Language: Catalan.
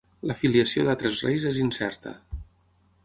La filiació d'altres reis és incerta.